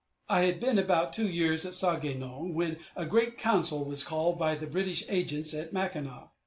I had been about two years at Sau ge nong, when a great council was called by the British agents at Mackinac.